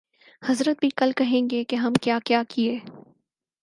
حضرت بھی کل کہیں گے کہ ہم کیا کیا کیے